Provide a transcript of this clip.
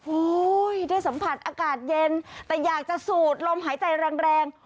ได้สัมผัสอากาศเย็นแต่อยากจะสูดลมหายใจแรง